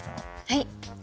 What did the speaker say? はい。